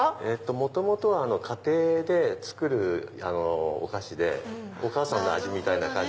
元々は家庭で作るお菓子でお母さんの味みたいな感じの。